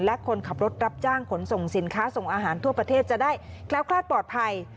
และคนขับรถรับจ้างขนส่งสินค้าส่งอาหารทั่วประเทศจะได้แคล้วคลาดปลอดภัย